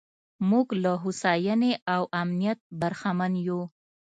موږ له هوساینې او امنیت برخمن یو.